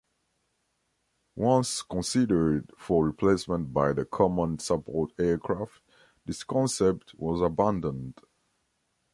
Once considered for replacement by the "Common Support Aircraft", this concept was abandoned.